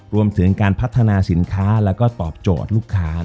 รวมถึงการพัฒนาสินค้าแล้วก็ตอบโจทย์ลูกค้า